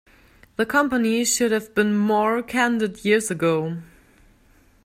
The company should have been more candid years ago.